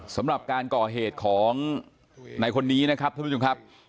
สำหรับการก่อเหตุของในคนนี้นะครับท่านผู้ชมครับ